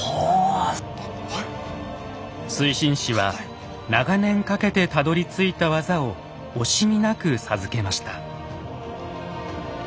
水心子は長年かけてたどりついた技を惜しみなく授けました。